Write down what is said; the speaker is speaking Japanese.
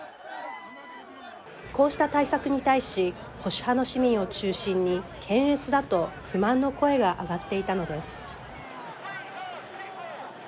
こうした対策に対し保守派の市民を中心に検閲だと不満の声が上がっていたのです。